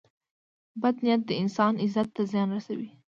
• بد نیت د انسان عزت ته زیان رسوي.